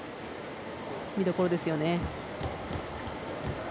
見どころですよね。